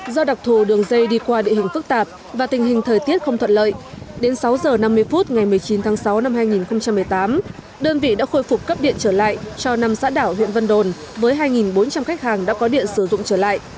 do đặc thù đường dây đi qua địa hình phức tạp và tình hình thời tiết không thuận lợi đến sáu h năm mươi phút ngày một mươi chín tháng sáu năm hai nghìn một mươi tám đơn vị đã khôi phục cấp điện trở lại cho năm xã đảo huyện vân đồn với hai bốn trăm linh khách hàng đã có điện sử dụng trở lại